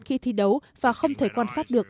khi thi đấu và không thể quan sát được